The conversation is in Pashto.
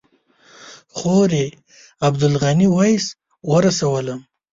خوريي عبدالغني ویس ورسولم.